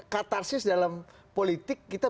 katarsis dalam politik kita